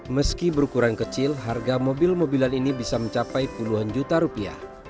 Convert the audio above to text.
meski berukuran kecil harga mobil mobilan ini bisa mencapai puluhan juta rupiah